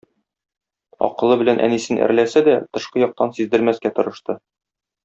Акылы белән әнисен әрләсә дә, тышкы яктан сиздермәскә тырышты.